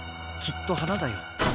きっとはなだよ。